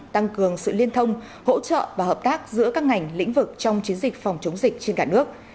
tăng cường sự liên thông hỗ trợ và hợp tác giữa các ngành lĩnh vực trong chiến dịch phòng chống dịch trên cả nước